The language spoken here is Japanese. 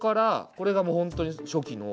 これがもう本当に初期の。